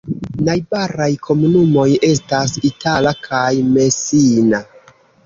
Najbaraj komunumoj estas Itala kaj Messina.